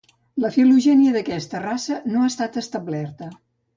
La filogènia d'aquesta raça no ha estat establerta.